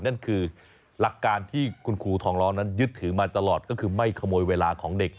นั่นคือหลักการที่คุณครูทองร้องนั้นยึดถือมาตลอดก็คือไม่ขโมยเวลาของเด็ก